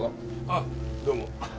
あっどうも。